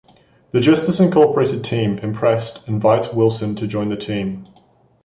The Justice Incorporated team, impressed, invites Wilson to join the team.